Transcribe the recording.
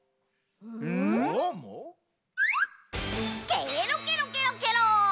ケロケロケロケロ！